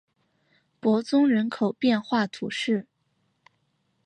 伯宗人口变化图示